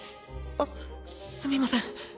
あっすすみません。